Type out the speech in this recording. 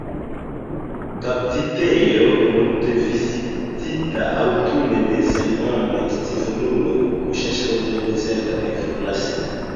La kaptitejo, multvizitita aŭtune de sennombraj scivoluloj, kuŝas hodiaŭ dezerta kaj forlasita.